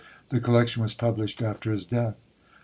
The collection was published after his death.